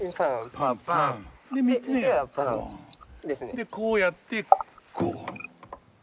でこうやってこう。